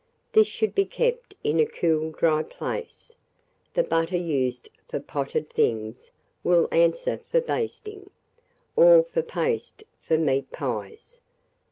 This should be kept in a cool dry place. The butter used for potted things will answer for basting, or for paste for meat pies.